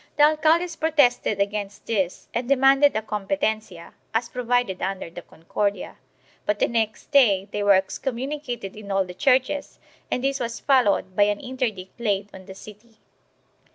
The alcaldes protested against this and demanded a competencia, as provided under the Concordia, but the next day they were excommunicated in all the churches and this was followed by an interdict laid on the city.